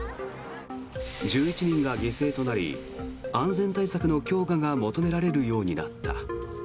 １１人が犠牲となり安全対策の強化が求められるようになった。